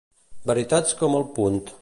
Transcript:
Veritats com el punt.